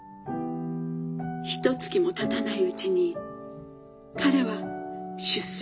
ひとつきもたたないうちに彼は出征しました。